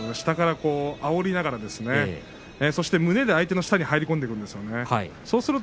下からあおりながらそして胸で相手の下に入り込んでいくんですよね。